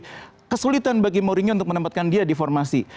jadi kesulitan bagi mourinho untuk menempatkan dia di formasi